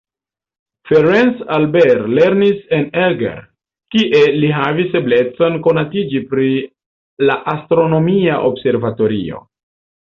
Ferenc Albert lernis en Eger, kie li havis eblecon konatiĝi pri la astronomia observatorio.